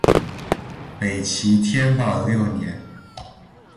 北齐天保六年。